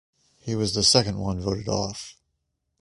He was the second one voted off.